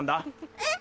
えっ？